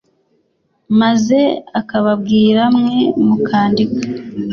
maze akababwira mwe mukandika